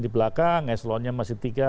di belakang eselonnya masih tiga